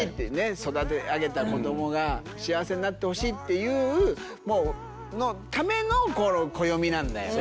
育て上げた子どもが幸せになってほしいっていうための暦なんだよね。